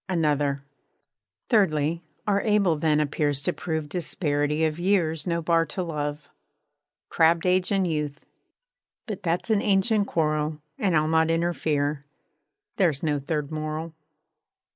_ ANOTHER Thirdly, our able then appears to prove Disparity of years no bar to love. Crabb'd Age and Youth But that's an ancient quarrel, _And I'll not interfere. There 's no third moral.